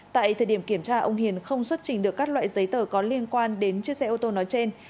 tại thời điểm kiểm tra ông hiền không xuất trình được các loại giấy tờ có liên quan đến chiếc xe ô tô nói trên